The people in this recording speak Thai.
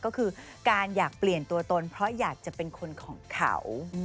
ก็คือการอยากเปลี่ยนตัวตนเพราะอยากจะเป็นคนของเขา